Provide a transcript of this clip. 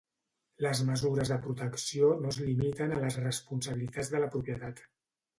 Les mesures de protecció no es limiten a les responsabilitats de la propietat.